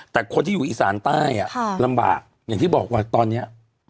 แต่คนที่อยู่อีสานใต้ลำบากอย่างที่บอกว่าตอนนี้